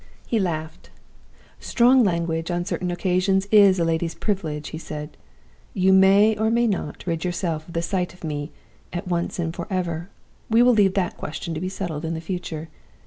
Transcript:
"He laughed. 'Strong language, on certain occasions, is a lady's privilege,' he said. 'You may, or may not, rid yourself of the sight of me, at once and forever. We will leave that question to be settled in the future.